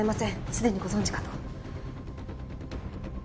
すでにご存じかと。